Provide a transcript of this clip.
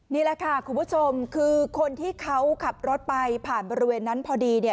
นี่แหละค่ะคุณผู้ชมคือคนที่เขาขับรถไปผ่านบริเวณนั้นพอดีเนี่ย